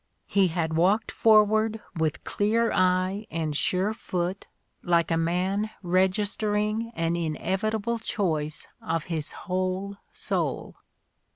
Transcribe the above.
He had walked forward with clear eye and sure foot like a man registering an inevitable choice of his whole soul.